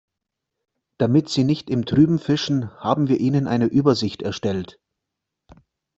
Damit Sie nicht im Trüben fischen, haben wir Ihnen eine Übersicht erstellt.